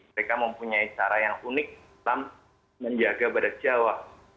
mereka mempunyai cara yang unik dalam menjaga badak jawa